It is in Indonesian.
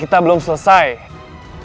setah jeruk lah sif